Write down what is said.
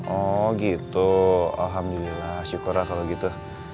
oh gitu alhamdulillah syukurlah kalo gitu